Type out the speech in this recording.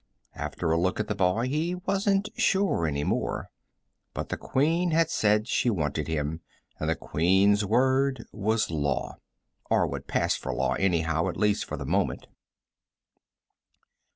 After a look at the boy, he wasn't sure any more but the Queen had said she wanted him, and the Queen's word was law. Or what passed for law, anyhow, at least for the moment.